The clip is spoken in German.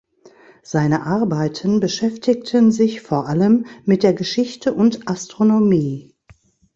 Seine Arbeiten beschäftigten sich vor allem mit der Geschichte und Astronomie.